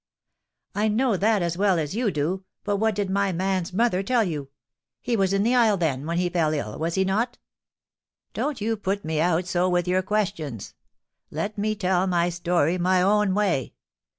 "I know that as well as you do; but what did my man's mother tell you? He was in the isle, then, when he fell ill, was he not?" "Don't you put me out so with your questions; let me tell my story my own way.